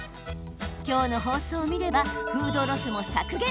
きょうの放送を見ればフードロスも削減。